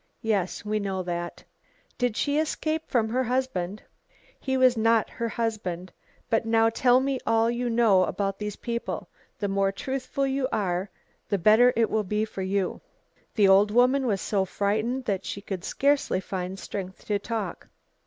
"Yes, we know that." "Did she escape from her husband?" "He was not her husband. But now tell me all you know about these people; the more truthful you are the better it will be for you." The old woman was so frightened that she could scarcely find strength to talk.